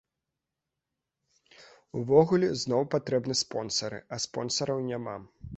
Увогуле, зноў патрэбны спонсары, а спонсараў няма!